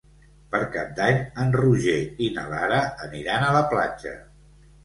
Per Cap d'Any en Roger i na Lara aniran a la platja.